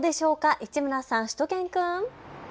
市村さん、しゅと犬くん。